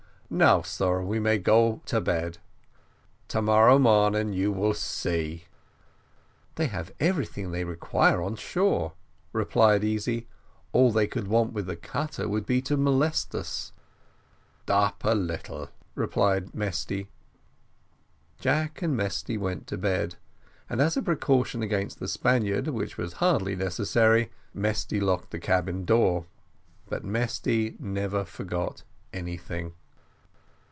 "Now, sar, we may go to bed; to morrow morning you will see." "They have everything they require on shore," replied Easy; "all they could want with the cutter would be to molest us." "Stop a little," replied Mesty. Jack and Mesty went to bed, and as a precaution against the Spaniard, which was hardly necessary, Mesty locked the cabin door but Mesty never forgot anything.